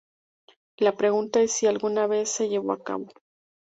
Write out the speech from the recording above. La pregunta es si alguna vez se llevó a cabo.